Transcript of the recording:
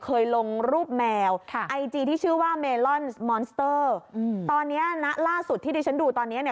เคยลงรูปแมวค่ะไอจีที่ชื่อว่าเมลอนมอนสเตอร์อืมตอนเนี้ยณล่าสุดที่ดิฉันดูตอนเนี้ยเนี่ย